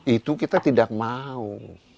itu kita tidak mau